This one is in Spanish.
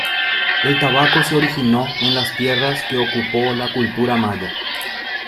El tabaco se originó en las tierras que ocupó la cultura maya.